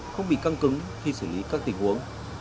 không bị căng cứng khi xử lý các tình huống